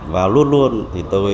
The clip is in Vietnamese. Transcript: và luôn luôn thì tôi